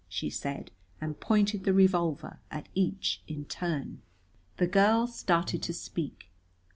she said, and pointed the revolver at each in turn. The girl started to speak.